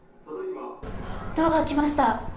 ドアが開きました。